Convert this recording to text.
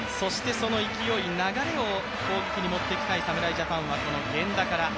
その勢い、流れを攻撃に持っていきたい侍ジャパンは源田から。